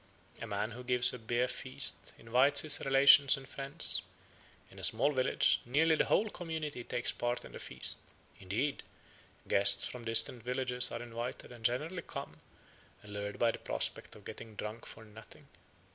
A man who gives a bear feast invites his relations and friends; in a small village nearly the whole community takes part in the feast; indeed, guests from distant villages are invited and generally come, allured by the prospect of getting drunk for nothing.